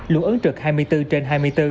luôn ứng trực hai mươi bốn trên hai mươi bốn